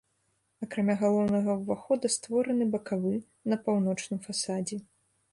Акрамя галоўнага ўвахода створаны бакавы на паўночным фасадзе.